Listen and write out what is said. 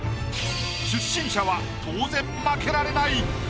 出身者は当然負けられない。